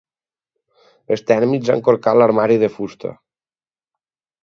Els tèrmits han corcat l'armari de fusta.